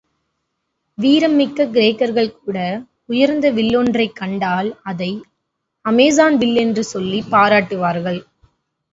வீரம் மிக்க கிரேக்கர்கள் கூட உயர்ந்த வில் ஒன்றைக் கண்டால், அதை அமெசான் வில் என்று சொல்லிப் பாராட்டுவார்கள்.